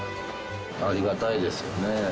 ありがたいですよね。